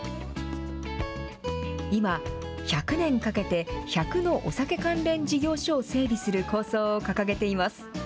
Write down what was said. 今、１００年かけて１００のお酒関連事業所を整備する構想を掲げています。